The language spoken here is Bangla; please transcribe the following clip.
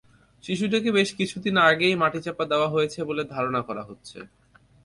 শিশুটিকে বেশ কিছুদিন আগেই মাটিচাপা দেওয়া হয়েছে বলে ধারণা করা হচ্ছে।